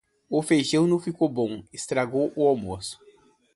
O feijão não ficou bom, estragou o almoço.